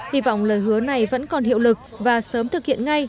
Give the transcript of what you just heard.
hy vọng lời hứa này vẫn còn hiệu lực và sớm thực hiện ngay